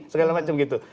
segala macam gitu